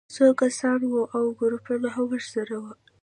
څو کسان وو او ګروپونه هم ورسره وو